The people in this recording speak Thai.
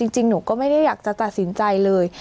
จริงหนูก็ไม่ได้อยากจะตัดสินใจเลย